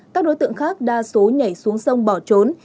các đối tượng khác đa số nhảy xuống sông bỏ trốn